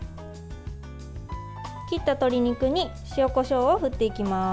切った鶏肉に塩、こしょうを振っていきます。